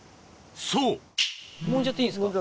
そうもんじゃっていいんですか？